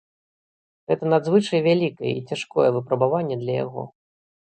Гэта надзвычай вялікае і цяжкое выпрабаванне для яго.